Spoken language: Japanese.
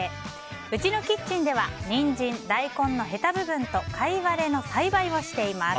うちのキッチンではニンジン、大根のへた部分とカイワレの栽培をしています。